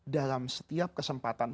dalam setiap kesempatan